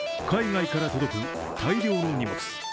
海外から届く大量の荷物。